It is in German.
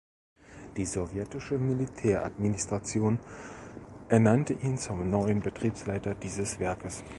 Die sowjetische Militäradministration ernannte ihn zum neuen Betriebsleiter dieses Werkes.